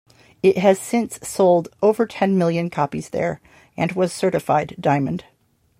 It has since sold over ten million copies there and was certified diamond.